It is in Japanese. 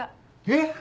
えっ！